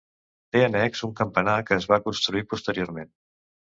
Té annex un campanar que es va construir posteriorment.